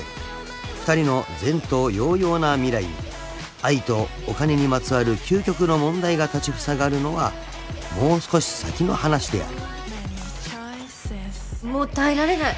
［２人の前途洋々な未来に愛とお金にまつわる究極の問題が立ちふさがるのはもう少し先の話である］